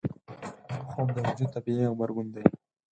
خوب د وجود طبیعي غبرګون دی